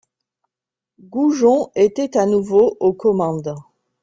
Goujon était à nouveau aux commandes.